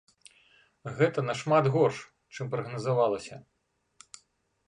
Гэта нашмат горш, чым прагназавалася.